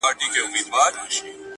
• هره ورځ به يې د شپې لور ته تلوار وو,